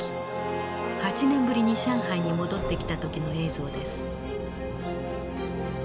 ８年ぶりに上海に戻ってきた時の映像です。